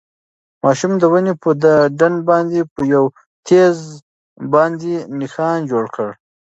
ماشوم د ونې په ډډ باندې په یوه تیږه باندې نښان جوړ کړ.